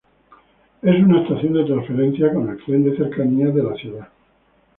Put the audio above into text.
Es una estación de transferencia con el tren de cercanías de la ciudad.